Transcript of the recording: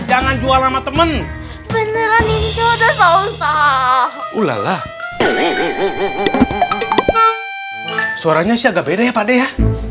jangan jual sama temen beneran ini sudah selesai ulala suaranya agak beda ya pada ya